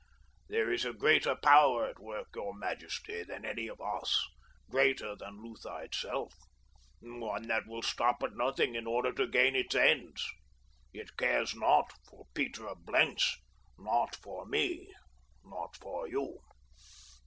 There is a greater power at work, your majesty, than any of us—greater than Lutha itself. One that will stop at nothing in order to gain its ends. It cares naught for Peter of Blentz, naught for me, naught for you.